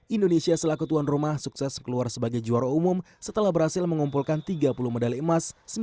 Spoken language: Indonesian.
indonesia selaku tuan rumah sukses keluar sebagai juara umum setelah berhasil mengumpulkan tiga puluh medali emas